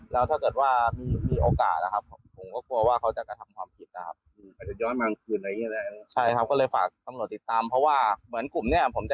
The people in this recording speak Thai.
ในร้านทั่วไปเลยครับ